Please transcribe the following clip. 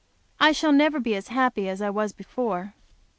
I shall never be as happy as I was before.